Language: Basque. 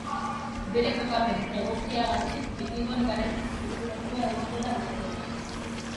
Bere kokapen egokiagatik bikingoen garaitik populatua egon dela uste da.